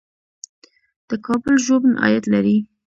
د کابل ژوبڼ عاید لري